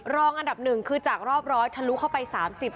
รองอันดับหนึ่งคือจากรอบร้อยทะลุเข้าไป๓๐